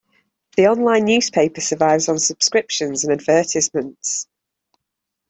The online newspaper survives on subscriptions and advertisements.